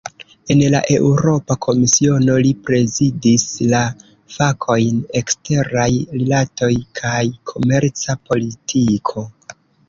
En la Eŭropa Komisiono, li prezidis la fakojn "eksteraj rilatoj kaj komerca politiko".